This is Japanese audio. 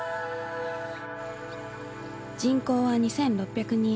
人口は２６００人余り。